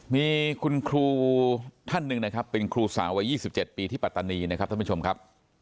มีคุณครูท่านหนึ่งนะครับเป็นครูสาววัย๒๗ปีที่ปัตตานีนะครับท่านผู้ชมครับ